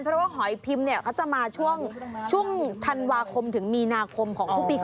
เพราะว่าหอยพิมพ์เนี่ยเขาจะมาช่วงธันวาคมถึงมีนาคมของทุกปี